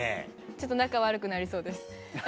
ちょっと仲悪くなりそうです。